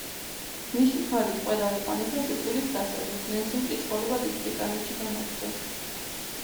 მისი ქმარი ტყვედ აიყვანეს და სიკვდილით დასაჯეს, ნენსიმ კი ცხოვრება დიდ ბრიტანეთში განაგრძო.